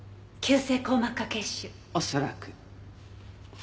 恐らく。